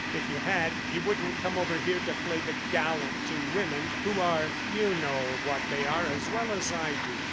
If you had, you wouldn't come over here to play the gallant to women who are ... you know what they are as well as I do."